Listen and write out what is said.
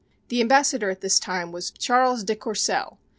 The Ambassador at this time was Charles de Courcel.